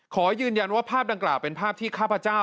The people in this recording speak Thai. ขอยืนยันว่าภาพดังกล่าวเป็นภาพที่ข้าพเจ้า